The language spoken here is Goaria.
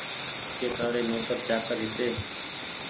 ڪي تآري نوڪر چآڪر هيتي